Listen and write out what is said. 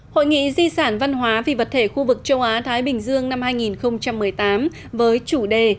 hội nghị di sản văn hóa vì vật thể khu vực châu á thái bình dương năm hai nghìn một mươi tám với chủ đề